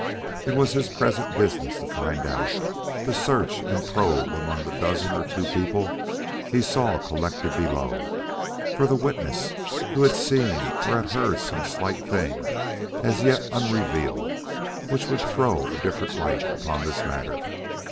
It was his present business to find out to search and probe among the dozen or two people he saw collected below, for the witness who had seen or had heard some slight thing as yet unrevealed which would throw a different light upon this matter.